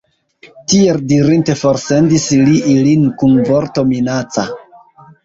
Tiel dirinte, forsendis li ilin kun vorto minaca.